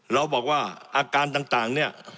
เราบอกว่าอาการต่างเนี่ย